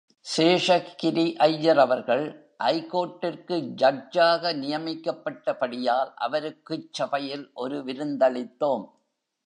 சேஷகிரி ஐயர் அவர்கள் ஐகோர்ட்டு ஜட்ஜாக நியமிக்கப்பட்டபடியால் அவருக்குச் சபையில் ஒரு விருந்தளித்தோம்.